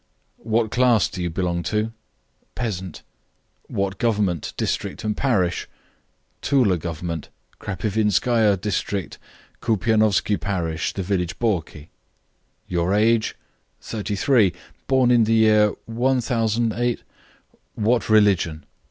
"What class do you belong to?" "Peasant." "What government, district, and parish?" "Toula Government, Krapivinskia district, Koupianovski parish, the village Borki." "Your age?" "Thirty three; born in the year one thousand eight " "What religion?"